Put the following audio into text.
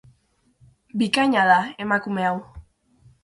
Bikaina da emakume hau.